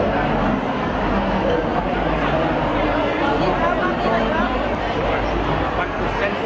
เดี๋ยวจะเรียกความสุขีดีให้กูแล้วกันสักครั้ง